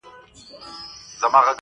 د تورو سترگو وه سورخۍ ته مي.